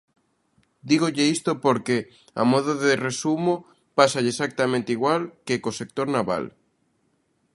Dígolle isto porque, a modo de resumo, pásalle exactamente igual que co sector naval.